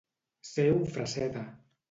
Ser un fresseta.